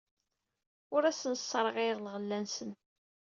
Ur asen-sserɣayeɣ lɣella-nsen.